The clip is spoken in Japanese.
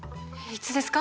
いつですか？